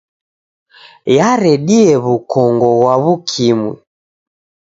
Yaredie w'ukongo ghwa W'ukimwi.